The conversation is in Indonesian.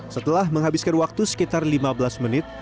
setelah menghabiskan waktu sekitar lima belas menit